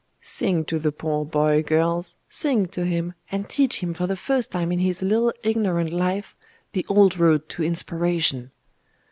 'Sing to the poor boy, girls! sing to him! and teach him for the first time in his little ignorant life, the old road to inspiration!